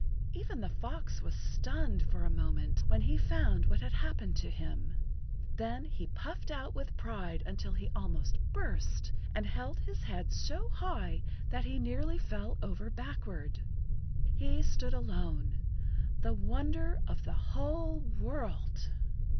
Even the fox was stunned for a moment when he found what had happened to him. Then he puffed out with pride until he almost burst, and held his head so high that he nearly fell over backward. He stood alone—the wonder of the whole world!